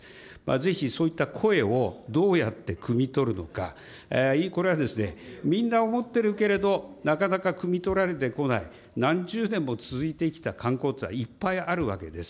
ぜひそういった声をどうやってくみ取るのか、これはですね、みんな思っているけれども、なかなかくみ取られてこない、何十年も続いてきた慣行というのは、いっぱいあるわけです。